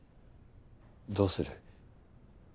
どうする？